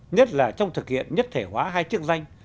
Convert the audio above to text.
nhất là trong thực hiện nhất thể hóa hai chức danh